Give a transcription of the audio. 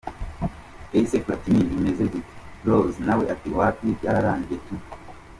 Ese Platini bimeze gute Rozy? Nawe ati: “Wapi, byararangiye tu.